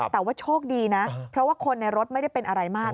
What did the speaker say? แต่ว่าโชคดีนะเพราะว่าคนในรถไม่ได้เป็นอะไรมาก